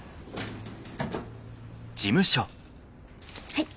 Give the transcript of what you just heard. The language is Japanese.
はい。